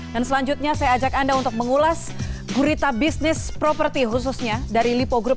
dan selanjutnya saya ajak anda untuk mengulas gurita bisnis properti khususnya dari lipo group